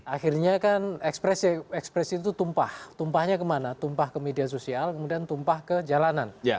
akhirnya kan ekspresi ekspresi itu tumpah tumpahnya kemana tumpah ke media sosial kemudian tumpah ke jalanan